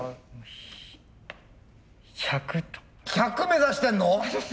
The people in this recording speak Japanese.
１００目指してんの？